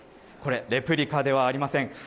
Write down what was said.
これ、レプリカではありません。